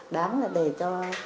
đáng là để cho